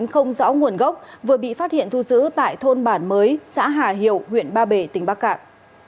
không rõ nguồn gốc vừa bị phát hiện thu giữ tại thôn bản mới xã hà hiệu huyện ba bể tỉnh bắc cạn